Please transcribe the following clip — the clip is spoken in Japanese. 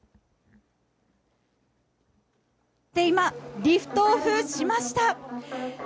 今、リフトオフしました！